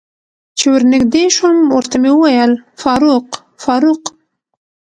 چې ور نږدې شوم ورته مې وویل: فاروق، فاروق.